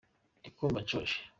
Ndikumva nshonje.